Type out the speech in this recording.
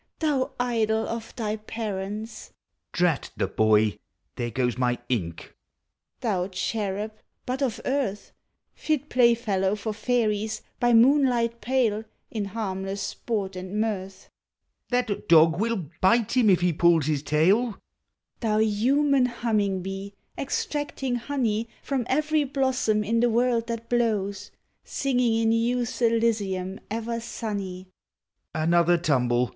Thou idol of thy parents ;—( Drat the boy! There goes my ink.) Thou cherub, but of earth ; Fit playfellow for fairies, by moonlight pale, In harmless sport and mirth, (That dog will bite him, if he pulls his tail !) Digitized by Google 30 POEMS OF HOME. Thou human humming bee, extracting honey From every blossom in the world that blows, Singing in youth's Elysium ever sunny,— (Another tumble!